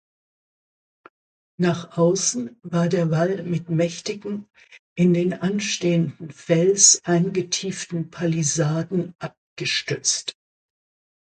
Nach außen war der Wall mit mächtigen, in den anstehenden Fels eingetieften Palisaden abgestützt.